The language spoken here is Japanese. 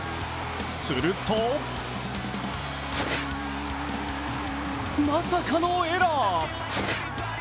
するとまさかのエラー。